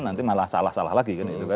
nanti malah salah salah lagi kan gitu kan